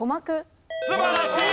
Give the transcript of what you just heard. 素晴らしい！